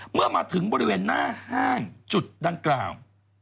เมื่อมาถึงบริเวณหน้าห้างจุดดังกล่าว